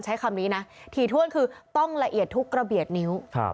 ใช้คำนี้นะถี่ถ้วนคือต้องละเอียดทุกระเบียดนิ้ว